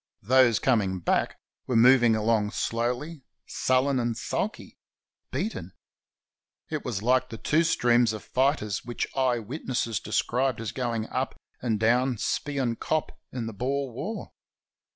Those coming back were moving along slowly, sullen and sulky — beaten. It was hke the two streams of fighters which eye witnesses described as going up and down Spion Kop in the Boer War.